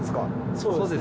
そうです。